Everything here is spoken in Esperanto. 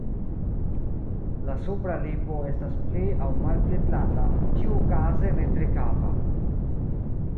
La supra lipo estas pli aŭ malpli plata, ĉiuokaze ne tre kava.